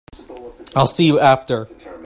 I'll see you after.